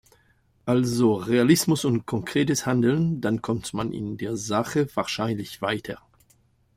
Also Realismus und konkretes Handeln, dann kommt man in der Sache wahrscheinlich weiter.